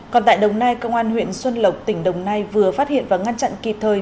còn tại đồng nai công an huyện xuân lộc tỉnh đồng nai vừa phát hiện và ngăn chặn kịp thời